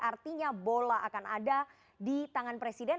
artinya bola akan ada di tangan presiden